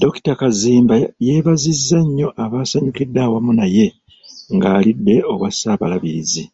Dr. Kazimba yeebazizza nnyo abaasanyukidde wamu naye nga alidde obwa Ssaabalabirizi.